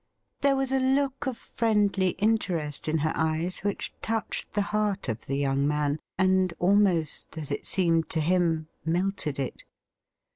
There was a look of friendly interest in her eyes which, touched the heart of the young man, and almost, as it seemed to him, melted it.